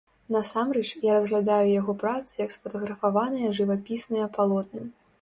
Насамрэч, я разглядаю яго працы як сфатаграфаваныя жывапісныя палотны.